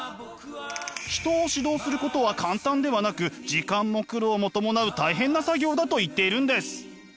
人を指導することは簡単ではなく時間も苦労もともなう大変な作業だと言っているんです。